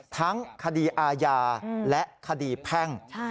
ทั้งคดีอาญาและคดีแพ่ง